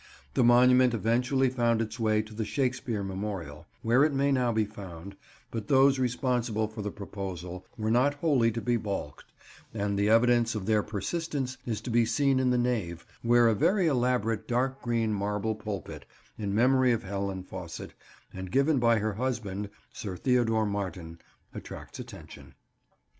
The monument eventually found its way to the Shakespeare Memorial, where it may now be found, but those responsible for the proposal were not wholly to be baulked, and the evidence of their persistence is to be seen in the nave, where a very elaborate dark green marble pulpit, in memory of Helen Faucit, and given by her husband, Sir Theodore Martin, attracts attention.